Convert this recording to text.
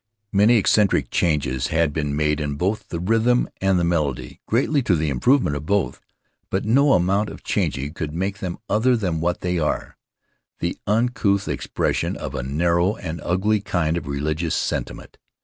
Many eccentric changes had been made in both the rhythm and melody, greatly to the improvement of both, but no amount of changing could make them other than what they are — the uncouth expression of a narrow and ugly kind of religious sentiment.